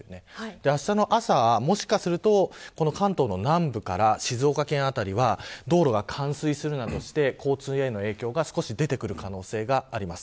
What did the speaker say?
あしたの朝、もしかすると関東の南部から静岡県辺りは道路が冠水するなどして交通への影響が出てくる可能性があります。